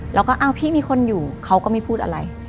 แล้วก็อ้าวพี่มีคนอยู่เขาก็ไม่พูดอะไร